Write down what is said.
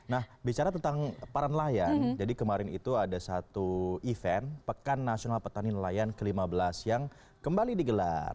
nah bicara tentang para nelayan jadi kemarin itu ada satu event pekan nasional petani nelayan ke lima belas yang kembali digelar